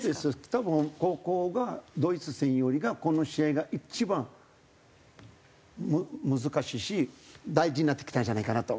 たぶんここがドイツ戦よりこの試合が一番難しいし大事な戦いじゃないかなと。